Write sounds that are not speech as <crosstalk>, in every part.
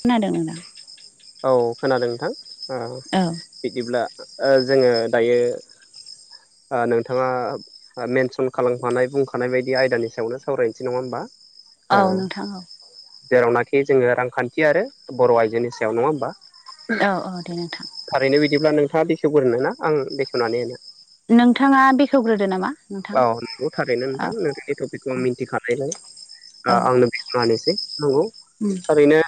खोनादों नोंथां औ खोनादों नोंथां औ बिदिब्ला जोंङो दायो नोंथांङा मेनसन खालामखानाय बुंखानाय बायदि आयदानि सायावनो सावरायनोसै नंङा होमबा औ नोंथां औ जेरावनाखि जोङो रांखान्थि आरो बर' आइजोनि सायाव नङा होमबा औ औ दे नोंथां थारैनो बिदिब्ला नोंथाङा बेखेवगोरोनो ना आं बेखेवनानै होनो नोंथाङा बेखेवग्रोदो नामा नोंथां औ नंगौ थारैनो औ नोंथां नोंथांनि टपिकखौ आं मिन्थिखानायलाय औ आंनो बेखेना होनोसै नंगौ उम थारैनो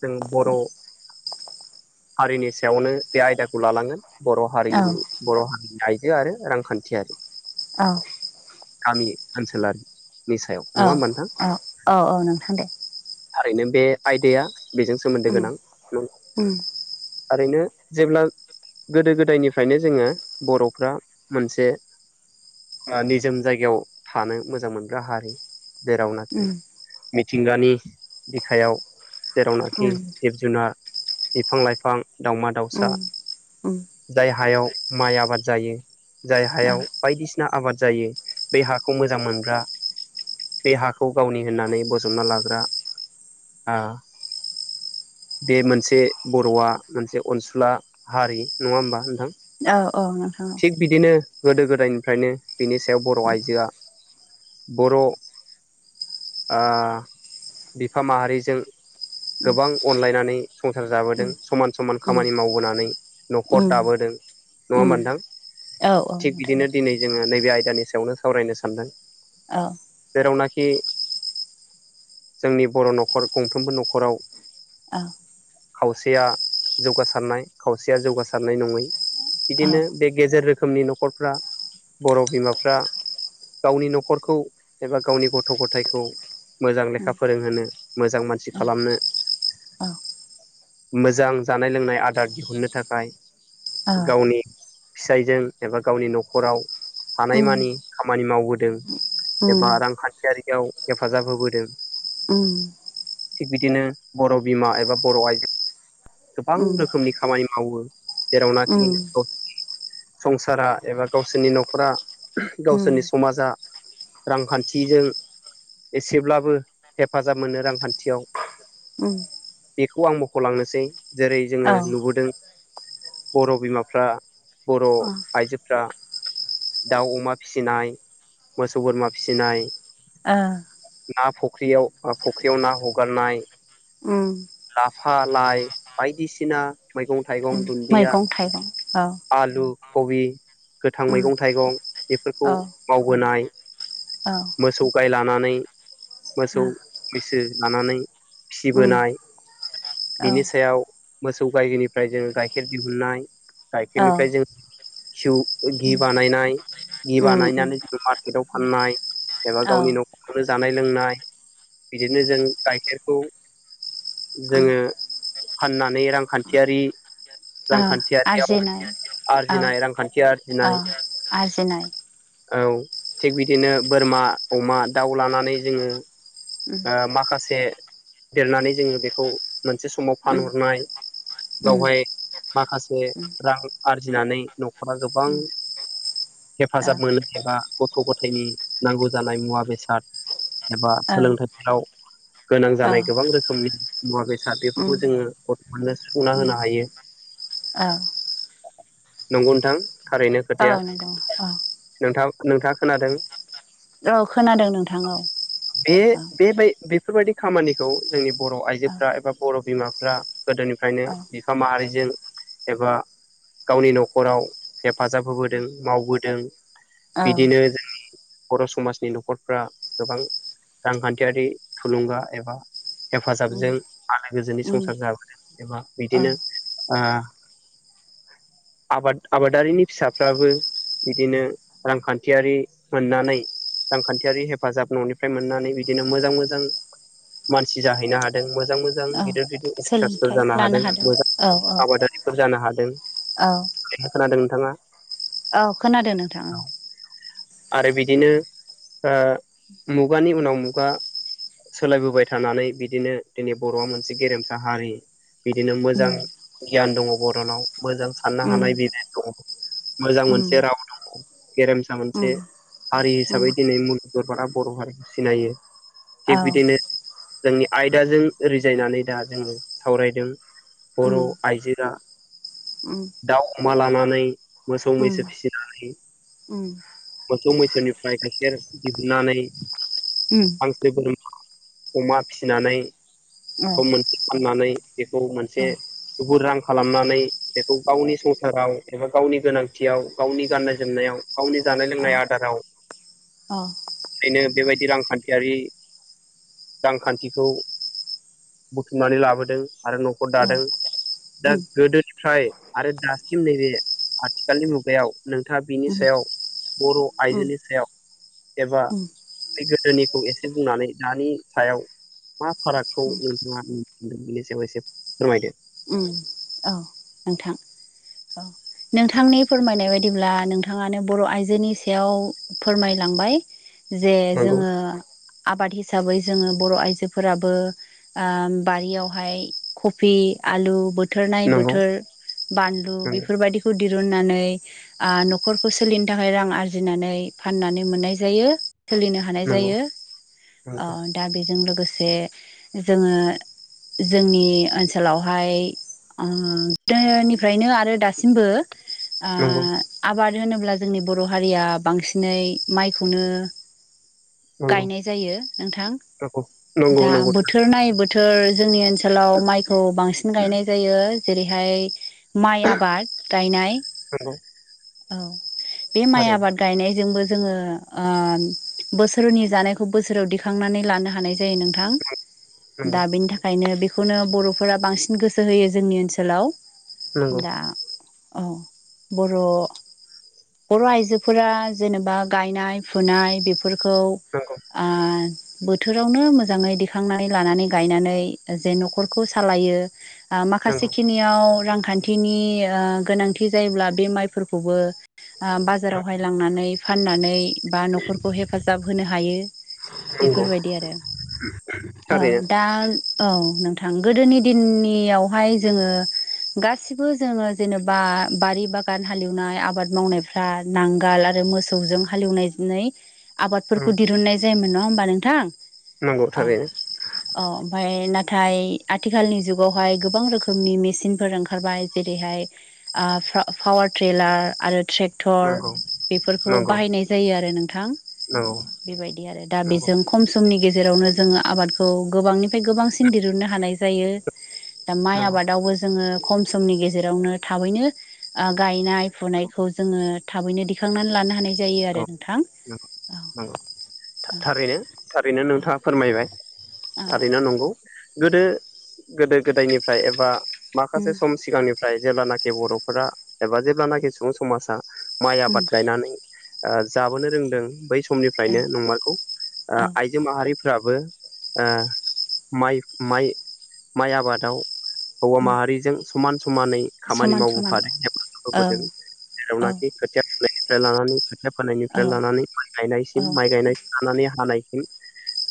जों बर' हारिनि सायावनो बे आयदाखौ लालांगोन बर' हारि औ बर' हारिनि आइजो आरो रांखान्थियारि औ गामि ओनसोलारिनि सायाव नङा औ होमबा नोंथां औ औ नोंथां दे थारैनो बे आयदाया बेजों सोमोन्दो उम गोनां नंगौ उम थारैनो जेब्ला गोदो गोदायनिफ्रायनो जोंङो बर'फ्रा मोनसे निजोम जायगायाव थानो मोजां मोनग्रा हारि जेरावनाखि मिथिंगानि बिखायाव जेरावनाखि उम जुनार बिफां लाइफां दावमा दाउसा उम उम उम जाय हायाव माइ आबाद जायो जाय औ हायाव बायदिसिना आबाद जायो बे हाखौ मोजां मोनग्रा बे हाखौ गावनि होननानै बजबना लाग्रा आ बे मोनसे बर'आ मोनसे अनसुला हारि नङा होमबा नोंथां औ औ नोंथां औ थिग बिदिनो गोदो गोदायनिफ्रायनो बिनि सायाव बर' आइजोआ बर' आ बिफा माहारिजों गोबां अनलायनानै संसार जाबोदों उम समान समान उम खामानि मावबोनानै न'खर उम दाबोदों उम नङा होनबा नोंथां औ औ थिग नोंथां बिदिनो दिनै जोङो नैबे आयदानि सायावनो सावरायनो सानदों औ जेरावनाखि जोंनि बर' न'खर गंफ्रोमबो न'खराव औ खावसेया जौगासारनाय खावसेया जौगासारनाय नङै औ बिदिनो बे गेजेर रोखोमनि न'खरफ्रा बर' बिमाफ्रा गावनि न'खरखौ एबा गावनि गथ' गथायखौ मोजां उम लेखा फोरोंहोनो मोजां मानसि औ खालामनो औ मोजां जानाय लोंनाय आदार दिहुननो थाखाय औ गावनि फिसायजों एबा गावनि न'खराव उम हानायमानि खामानि मावबोदों उम एबा रांखान्थियारियाव हेफाजाब होबोदों उम थिग बिदिनो बर' बिमा एबा बर' आयजो गोबां रोखोमनि खामानि मावो जेरावनाखि संसारा एबा गावसोरनि न'खरा उम उम गावसोरनि समाजा रांखान्थिजों एसेब्लाबो हेफाजाब मोनो रांखान्थियाव उम बेखौ आं खौ लांनोसै जेरै जोङो औ नुबोदों बर' बिमाफ्रा बर' आइजोफ्रा दाउ अमा फिसिनाय मोसौ बोरमा फिसिनाय ओ ना फख्रियाव फख्रियाव ना हगारनाय उम लाफा लाइ बायदिसिना मैगं थाइगं दुन्दिया मैगं थाइगं औ आलु कबि गोथां मैगं थाइगं औ बेफोरखौ मावबोनाय औ मोसौ गाय लानानै मोसौ मैसो लानानै उम फिसिबोनाय औ बिनि सायाव मोसौ गायनिफ्राय जोङो गाइखेर दिहुननाय औ गाइखेरनिफ्राय जों जौ इदि बानायनाय बिदि बानायनानै जोङो मार्केटाव फाननाय एबा औ गावनि न'खर खौनो जानाय लोंनाय बिदिनो जों गाइखेरखौ जोङो फाननानै रांखान्थियारि ओ रांखान्थियारियाव आरजिनाय औ आरजिनाय रांखान्थि औ आरजिनाय आरजिनाय औ थिग बिदिनो बोरमा अमा दाउ लानानै जोङो उम माखासे देरनानै जोङो बेखौ मोनसे समाव उम फानहरनाय उम बेयावहाय माखासे औ रां आरजिनानै न'खरा गोबां औ हेफाजाब मोनो एबा गथ' गथायनि नांगौ जानाय मुवा बेसाद एबा औ सोलोंथाइफोराव गोनां जानाय गोबां रोखोमनि मुवा बेसाद बेफोरखौ जोङो गथ'फोरनो सुफुंना होनो हायो अ नंगौ नोंथां थारैनो औ खोथाया नंगौ औ नोंथां नोंथाङा खोनादों औ खोनादों नोंथां बे औ बेबाय बेफोरबायदि खामानिखौ जोंनि बर' औ आइजोफ्रा एबा बर' बिमाफ्रा गोदोनिफ्रायनो औ बिफा माहारिजों एबा गावनि न'खराव हेफाजाब होबोदों मावबोदों बिदिनो जोंनि बर' समाजनि न'खरफ्रा गोबां रांखान्थि थुलुंगा एबा उम हेफाजाबजों आलो गोजोनै औ संसार जाबोदों एबा औ बिदिनो आबाद आबादारिनि फिसाफ्राबो बिदिनो रांखान्थियारि मोननानै रांखान्थियारि हेफाजाब न'निफ्राय मोननानै बि बिदिनो मोजां मोजां मानसि जाहैनो हादों मोजां मोजां गिदिर अफिसारफोर सोलोंथाइ जानो लानो हादों औ मोजां औ आबादारिफोर जानो हादों औ खोनादों नोंथाङा औ खोनादों नोंथां औ आरो बिदिनो मुगानि उनाव मु गा सोलायबोबाय थानानै बिदिनो जोंनि बर'आ मोनसे गेरेमसा हारि बिदिनो मोजां उम गियान दङ बर'नाव मोजां औ साननो हानाय <inaudible> दङ मोजां मोनसे राव दङ गेरेमसा मोनसे हारि हिसाबै दिनै मुलुग दरबारा बर' हारिखौ सिनायो थिग बिदिनो जोंनि आयदाजों रिजायनानै दा जोङो सावरायदों बर' आइजोआ दाउ अमा लानानै मोसौ मैसो फिसिनानै मोसौ मैसोनिफ्राय गाइखेर दिहुननानै हांसो बोर <unintelligible> अमा फिसिनानै सम मोनसे फानानै बेखौ मोनसे थुबुर रां खालामनानै बेखौ गावनि संसाराव एबा गावनि गोनांथियाव गावनि गाननाय जोमनायाव गावनि जानाय लोंनाय आदाराव बेनो बेबायदि रां खान्थियारि रांखान्थिखौ बुथुमनानै लाबोदों आरो न'खर दादों दा गोदोनिफ्राय आरो दासिम नैबे आथिखालनि मुगायाव नोंथाङा बिनि सायाव बर' आइजोनि सायाव एबा बे गोदोनिखौ एसे बुंनानै दानि सायाव मा फारागखौ नोंथाङा <unintelligible> बेनि सायाव एसे फोरमायदो उ औ नोंथां नोंथांनि फोरमायनाय बायदिब्ला नोंथाङानो बर' आइजोनि सायाव फोरमायलांबाय जे नंगौ जोंङो आबाद हिसाबै जोंङो बर' आइजोफोराबो बारियावहाय कबि आलु बथोर बोथोरनाय नंगौ बोथोर बानलु बेफोरबायदिखौ दिरुननानै न'खरखौ सोलिनो थाखाय रां आरजिनानै फाननानै मोननाय जायो सोलिनो हानाय नंगौ नंगौ जायो दा बेजों लोगोसे जोंङो जोंनि ओनसोलावहाय गोदोनिफ्रायनो आरो दासिम दासिमबो नंगौ नंगौ आबाद होनोब्ला जोंनि बर' हारिया बांसिनै माइखौनो गायनाय जायो नोंथां <unintelligible> दा बोथोर नायै बोथोर जोंनि ओनसोलाव माइखौ बांसिन गायनाय जायो जेरैहाय माइ आबाद गायनाय औ बे माइ आबाद गायनायजोंबो जोंङो बोसोरनि जानायखौ बोसोराव दिखांनानै लानो हानाय जायो नों नोंथां नंगौ नंगौ दा बेनि थाखाय ओंखायनो बेखौनो बर'फोरा बांसिन गोसो होयो जोंनि ओनसोलाव दा औ बर' बर' आइजोफोरा जेनेबा गायनाय फुनाय बेफोरखौ बोथोरावनो मोजांङै दिखांनानै लानानै गायनानै जे न'खरखौ सालायो माखासे खिनियाव रांखान्थिनि गोनांथि जायोब्ला बे माइफोरखौबो ओ बाजारावहाय लांनानै फाननानै बा न'खरखौ हेफाजाब होनो हायो नंगौ बेफोरबायदि आरो औ थारैनो दा औ नोंथां गोदोनि दिननियावहाय जोंङो गासिबो जोंङो जेनेबा बारि बागान हालेएवनाय आबाद मावनायफ्रा नांगाल आरो मोसौजों हालेएवनाय नंगौ थारैनो आबादफोरखौ दिहुननाय जायोमोन ना होनबा नोंथां नंगौ थारैनो अ ओमफाय नाथाय आथिखालनि जुगावहाय गोबां रोखोमनि मेसिनफोर ओंखारबाय जेरैहाय पावार ट्रेलार आरो ट्रेक ट्रेक्टर नंगौ बेफोरखौ नंगौ बाहायनाय जायो आरो नोंथां नंगौ बेबायदि आरो दा नंगौ बेजों खम समनि गेजेरावनो जोंङो आबादखौ गोबांनिफ्राय गोबांसिन दिहुननो हानाय जायो। दा माइ नंगौ आबादावबो जोंङो खम समनि गेजेरावनो थाबैनो गायनाय खौ जोंङो थाबैनो दिखांनानै लानो हानाय जायो आरो नोंथां औ औ थारैनो थारैनो नोंथांङा फोरमायबाय। औ थारैना नंगौ गोदो गोदो गोदायनिफ्राय एबा माखासे उम सम सिगांनिफ्राय जेब्लानाखि बर'फोरा एबा जेब्लानाखि सुबुं समाजा माइ उम आबाद गायनानै ओ जाबोनो रोंदों बै समनिफ्रायनो नंमारखौ ओ औ औ आइजो माहारिफ्राबो ओ माइ माइ माइ आबादाव हौवा उम माहारिजों समान समानै खामानि समान समान मावबोफादों हेफाजाब औ होबोदों। औ जेरावनाखि खोथिया फुनायनिफ्राय लानानै खोथा औ फोननिफ्राय लानानै माइ औ गायनायसिम माइ गायनाय लानानै हानायसिम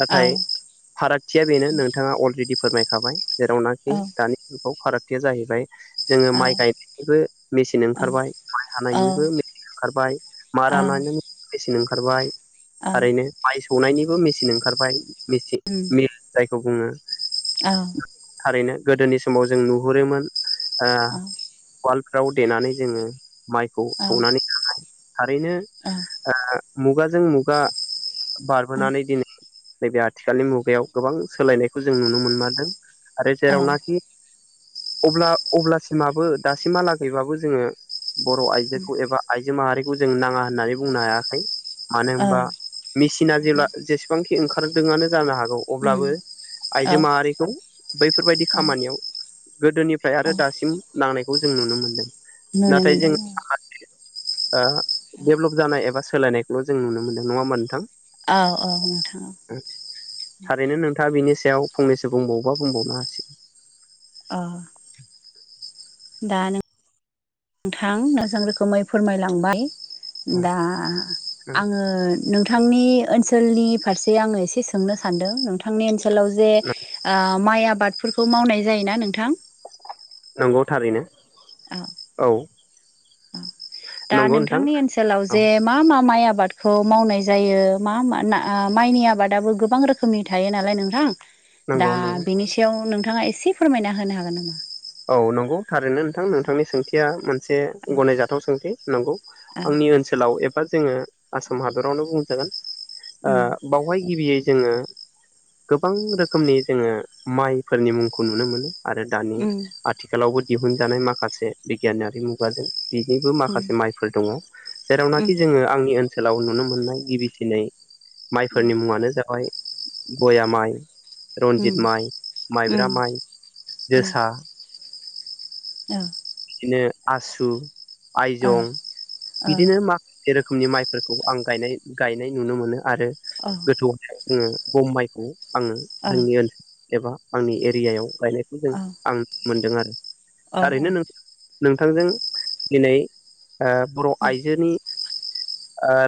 नाथाय फारागथिया बेनो नोंथाङा अलरेडि फोरमायखाबाय जेरावनाखि औ दानि बाव फारागथिया जाहैबाय जोंङो औ माइ गायनायनिबो मेचिन ओंखारबाय माइ हानायनिबो मेचन ओंखारबाय बार मेचन ओंखारबाय थारैनो माइ सौनायनिबो मेचिन ओंखारबाय। <unintelligible> उम मिल जायखौ बुंङो औ थारैनो गोदोनि समाव जों नुहुरोमोन ओ औ उवालफ्राव देनानै जोंङो माइखौ सौनानै थारैनो ओ मुगाजों मुगा बारबोनानै दिनै नैबे आथिखालनि मुगायाव गोबां सोलायनायखौ जों नुनो मोनमारदों। आरो औ जेरावनाखि अब्ला अब्लासिमाबो दासिमहालागैबाबो जोङो बर' उम आइजोखौ एबा आइजो माहारिखौ जों नाङा होननानै बुंनो हायाखै मानो औ होनबा मेसिना जेब्ला जेसेबांखि ओंखारदोंआनो जानो हागौ उम अब्लाबो आइजो औ माहारिखौ बैफोरबायदि औ खामानियाव गोदोनिफ्राय औ आरो दासिम नांनायखौ जों नुनो मोनदों। नुनो नाथाय जों मोनदों। ओ डेभलप जानाय एबा सोलायनायखौल' जों नुनो मोनदों नङा होमबा नोंथां? औ औ नोंथां औ थारैनो नोंथाङा बिनि सायाव फंनैसो बुंबावोबा बुंबावनो हासिगोन। औ दानो नोंथां मोजां रोखोमै फोरमायलांबाय दा आङो नोंथांनि ओनसोलनि फारसे आङो एसे सोंनो सानदों नोंथां। नोंथांनि ओनसोलाव जे नंगौ माइ आबादफोरखौ मावनाय जायोना नोंथां? नंगौ थारैनो। औ औ औ दा नंगौ नोंथां नोंथांनि ओनसोलाव औ जे मा मा माइ आबादखौ मावनाय जायो मा म माइनि आबादाबो गोबां रो खोमनि थायो नालाय नोंथां दा नंगौ नंगौ बेनि सायाव नोंथाङा एसे फोरमायना होनो हागोन नामा? औ नंगौ थारैनो नोंथां नोंथांनि सोंथिया मोनसे औ गनायजाथाव सोंथि नंगौ औ आंनि ओनसोलाव एबा जोङो आसाम हादरावनो बुंजागोन ओ उम बावहाय गिबियै जोङो गोबां रोखोमनि जोङो माइफोरनि मुंखौ नुनो मोनो। आरो दानि उम आथिखालावबो दिहुनजानाय माखासे बिगियानारि मुगाजों बिनिबो उम माखासे माइफोर दङ उम जेरावनाखि जोङो आंनि ओनसोलाव नुनो मोननाय गिबि थनै माइफोरनि मुङानो जाबाय बया माइ रन्जित सावरायनानै माइ माइब्रा माइ जोसा औ बिदिनो आसु आइजं बिदिनो माखा से रोखोमनि माइफोरखौ आं गायनाय गायनाय नुनो मोनो आरो गोथौ जोङो गम माइखौ आङो जोंनि ओनसोल एबा आंनि एरियायाव गायनाय खौ जों आं मोनदों आरो औ औ थारैनो नों नोंथांजों दिनै ओ बर' आइजोनि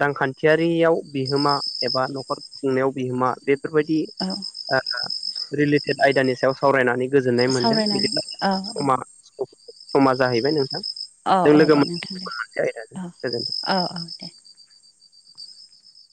रांखान्थियारियाव बिहोमा एबा न'खर खुंनायाव बिहोमा बेफोरबायदि औ रिलेटेड आयदानि सायाव सावरायनानै गोजोननाय मोनदों बिदिब्ला औ औ समा समा जाहैबाय नोंथां औ नों औ लोगो दे गुबुन नोंथां दे मोनसे औ आयदाजों गोजोनथों औ औ दे